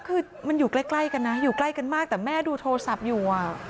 คือมันอยู่ใกล้กันนะอยู่ใกล้กันมากแต่แม่ดูโทรศัพท์อยู่อ่ะ